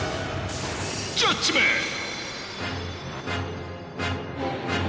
ジャッジメント！